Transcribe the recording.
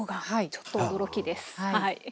ちょっと驚きです。